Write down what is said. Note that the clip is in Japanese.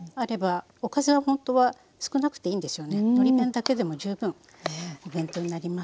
のり弁だけでも十分お弁当になりますので。